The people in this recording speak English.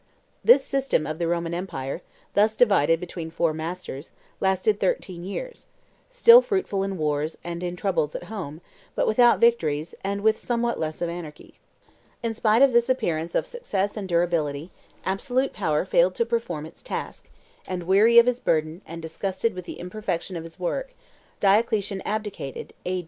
This system of the Roman empire, thus divided between four masters, lasted thirteen years; still fruitful in wars and in troubles at home, but without victories, and with somewhat less of anarchy. In spite of this appearance of success and durability, absolute power failed to perform its task; and, weary of his burden and disgusted with the imperfection of his work, Diocletian abdicated A.